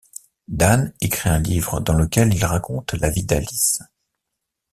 Dan écrit un livre dans lequel il raconte la vie d'Alice.